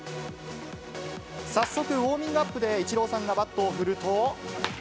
早速、ウォーミングアップでイチローさんがバットを振ると。